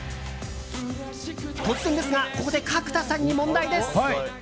突然ですがここで角田さんに問題です。